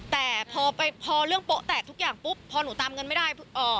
แต่พอพอเรื่องโป๊ะแตกทุกอย่างปุ๊บพอหนูตามเงินไม่ได้